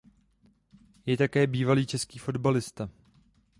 Je také bývalý český fotbalista.